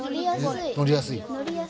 乗りやすい？